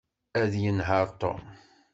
Ad yenheṛ Tom.